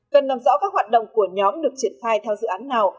cần nằm rõ các hoạt động của nhóm được triển khai theo dự án nào